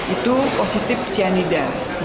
itu positif cyanida